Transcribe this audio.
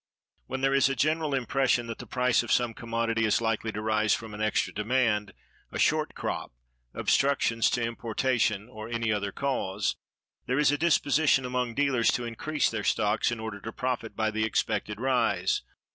When there is a general impression that the price of some commodity is likely to rise from an extra demand, a short crop, obstructions to importation, or any other cause, there is a disposition among dealers to increase their stocks in order to profit by the expected rise.